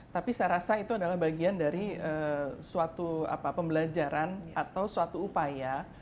tapi saya rasa itu adalah bagian dari suatu pembelajaran atau suatu upaya